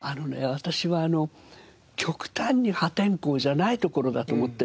私は極端に破天荒じゃないところだと思ってるんです。